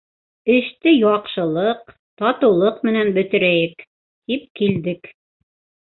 Эште яҡшылыҡ, татыулыҡ менән бөтөрәйек, тип килдек.